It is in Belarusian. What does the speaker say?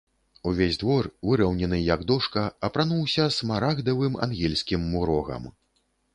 Увесь двор, выраўнены, як дошка, апрануўся смарагдавым ангельскім мурогам.